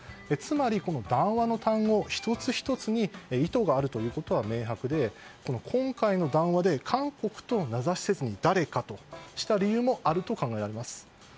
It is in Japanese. つまり、談話の単語１つ１つに意図があることは明白で今回の談話で韓国と名指しせずに誰かとした理由もあると考えられます。